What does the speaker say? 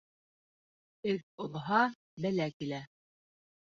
Эг олоһа, бәлә килә.